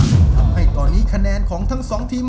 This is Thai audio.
ทำให้ตอนนี้คะแนนของทั้งสองทีม